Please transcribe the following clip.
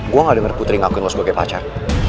gue gak denger putri ngakuin lo sebagai pacar